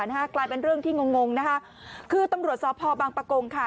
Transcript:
กลายเป็นเรื่องที่งงงนะคะคือตำรวจสพบางประกงค่ะ